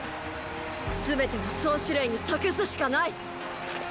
全てを総司令に託すしかない。